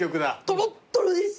トロットロです。